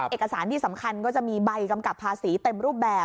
เอกสารที่สำคัญก็จะมีใบกำกับภาษีเต็มรูปแบบ